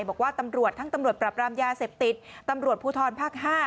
บอกว่าตำรวจทั้งตำรวจปรับรามยาเสพติดตำรวจภูทรภาค๕